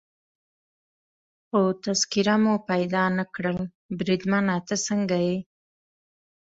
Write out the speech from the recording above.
خو تذکیره مو پیدا نه کړل، بریدمنه ته څنګه یې؟